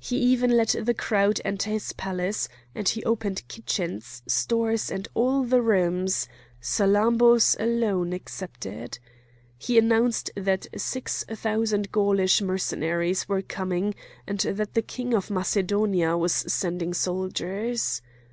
He even let the crowd enter his palace, and he opened kitchens, stores, and all the rooms,—Salammbô's alone excepted. He announced that six thousand Gaulish Mercenaries were coming, and that the king of Macedonia was sending soldiers.